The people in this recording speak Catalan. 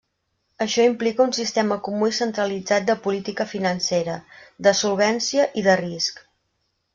Això implica un sistema comú i centralitzat de política financera, de solvència i de risc.